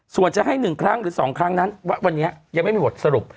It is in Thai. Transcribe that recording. ส่วนจะให้๑ครั้งหรือ๒ครั้งนั้นวันนี้ยังไม่มีบทสรุป